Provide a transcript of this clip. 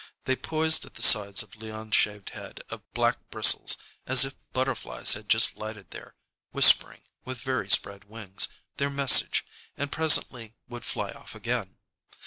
They poised at the sides of Leon's shaved head of black bristles, as if butterflies had just lighted there, whispering, with very spread wings, their message, and presently would fly off again.